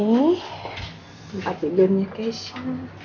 tempat tidurnya keisha